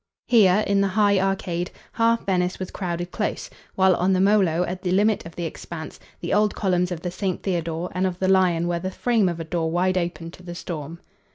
Here, in the high arcade, half Venice was crowded close, while, on the Molo, at the limit of the expanse, the old columns of the Saint Theodore and of the Lion were the frame of a door wide open to the storm.